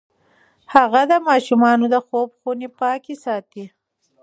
هغې د ماشومانو د خوب خونې پاکې ساتي.